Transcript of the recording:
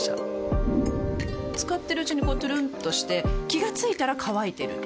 使ってるうちにこうトゥルンとして気が付いたら乾いてる